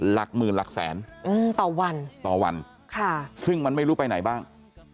หลักหมื่นหลักแสนต่อวันต่อวันค่ะซึ่งมันไม่รู้ไปไหนบ้าง